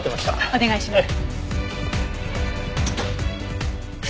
お願いします。